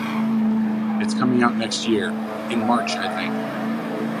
It's coming out next year - in March, I think.